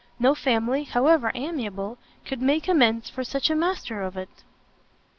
no family, however amiable, could make amends for such a master of it."